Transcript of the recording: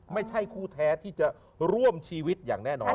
ไม่ใช่คู่แท้ที่จะร่วมชีวิตอย่างแน่นอน